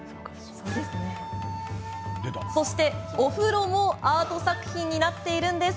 そして、お風呂もアート作品になっているんです。